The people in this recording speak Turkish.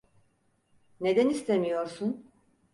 Neden istemiyorsun?